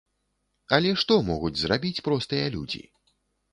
Але што могуць зрабіць простыя людзі?